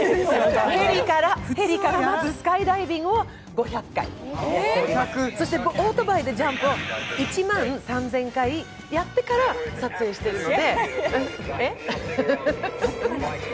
ヘリからまずスカイダイビングを５００回、そしてオートバイでジャンプを１万３０００回やってから撮影しているので。